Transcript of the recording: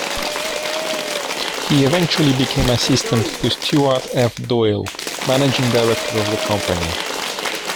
He eventually became assistant to Stuart F. Doyle, managing director of the company.